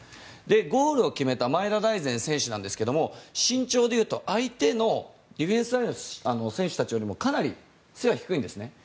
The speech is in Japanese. ゴールを決めた前田大然選手ですけど身長でいうと相手のディフェンスラインの選手たちよりもかなり背は低いんですね。